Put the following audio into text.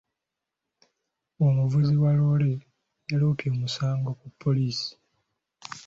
Omuvuzi wa loole yaloopye omusango ku poliisi.